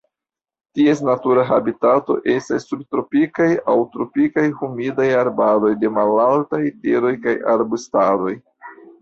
Ties natura habitato estas subtropikaj aŭ tropikaj humidaj arbaroj de malaltaj teroj kaj arbustaroj.